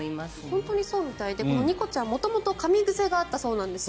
本当にそのようでこのニコちゃん元々かみ癖があったそうです。